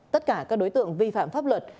tất cả các đối tượng vi phạm pháp luật